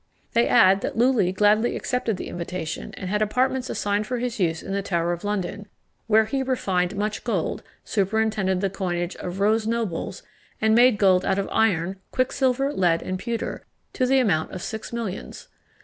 They add that Lulli gladly accepted the invitation, and had apartments assigned for his use in the Tower of London, where he refined much gold; superintended the coinage of "rose nobles," and made gold out of iron, quicksilver, lead, and pewter, to the amount of six millions.